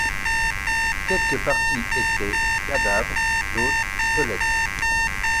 Quelques parties étaient cadavre, d’autres squelette.